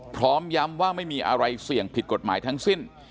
พร้อมย้ำว่าไม่มีอะไรเสี่ยงผิดกฎหมายทั้งสิ้น